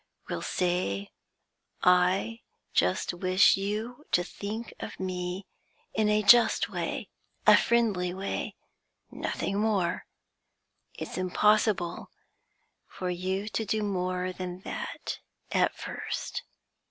We'll say I just wish you to think of me in a just way, a friendly way, nothing more. It's impossible for you to do more than that at first.